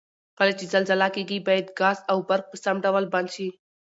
کله چې زلزله کیږي باید ګاز او برق په سم ډول بند شي؟